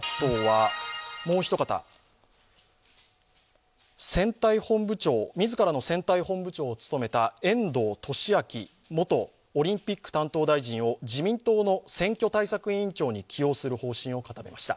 もう一方、自らの選対本部長を務めた遠藤利明元オリンピック担当大臣を自民党の選挙対策委員長に起用する方針を固めました。